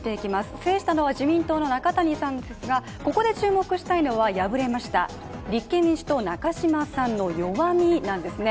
制したのは自民党の中谷さんですがここで注目したいのは敗れました立憲民主党、中島さんの弱みなんです。